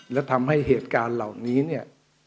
และทำให้เหตุการณ์เหล่านี้เนี่ย